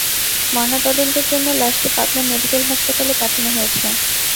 ময়নাতদন্তের জন্য লাশটি পাবনা মেডিকেল হাসপাতালে পাঠানো হয়েছে।